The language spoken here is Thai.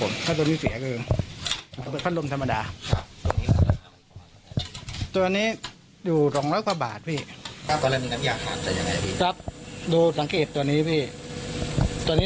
ครับผมก็ตอนที่สีคือเป็นวัดลมธรรมดาตัวนี้อยู่รองกว่าบาทไว้นักยากถ่ายยังไงดูสังเกตตัวนี้บี